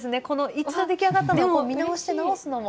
一度出来上がったのを見直して直すのも。